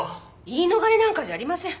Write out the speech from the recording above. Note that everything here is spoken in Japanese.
言い逃れなんかじゃありません。